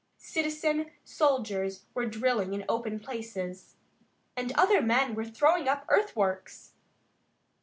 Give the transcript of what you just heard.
Citizen soldiers were drilling in open places, and other men were throwing up earthworks.